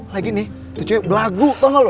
lagi nih itu cuy belagu tau gak lo